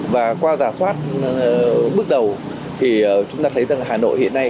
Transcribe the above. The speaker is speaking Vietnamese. và qua ra soát bước đầu thì chúng ta thấy rằng hà nội hiện nay